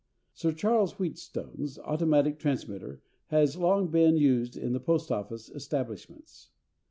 Sir Charles Wheatstone's Automatic Transmitter has long been used in the Post Office establishments.